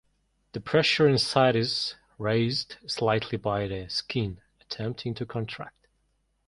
The pressure inside is raised slightly by the "skin" attempting to contract.